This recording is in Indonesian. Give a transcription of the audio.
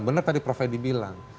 benar tadi prof edi bilang